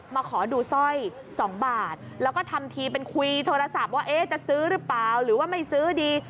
มาขอดูสร้อย๒บาทแล้วก็ทำทีเป็นคุยโทรศัพท์ว่าจะซื้อหรือเปล่าหรือว่าไม่ซื้อดี